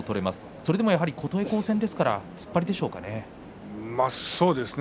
それでも琴恵光戦ですから突っ張りですかね。